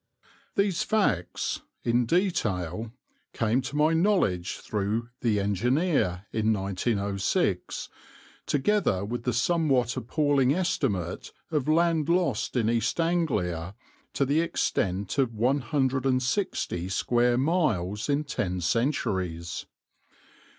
These facts, in detail, came to my knowledge through the Engineer in 1906, together with the somewhat appalling estimate of land lost in East Anglia to the extent of 160 square miles in ten centuries.